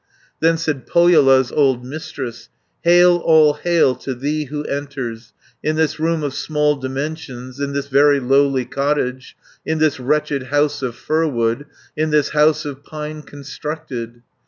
180 Then said Pohjola's old Mistress, "Hail, all hail, to thee, who enters In this room of small dimensions, In this very lowly cottage, In this wretched house of firwood, In this house of pine constructed.